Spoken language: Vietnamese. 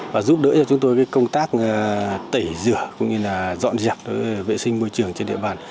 và giúp đỡ cho chúng tôi công tác tẩy rửa cũng như là dọn dẹp vệ sinh môi trường trên địa bàn